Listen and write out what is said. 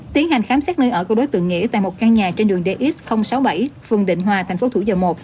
tiến hành khám xét nơi ở của đối tượng nghĩa tại một căn nhà trên đường dx sáu mươi bảy phường định hòa thành phố thủ dầu một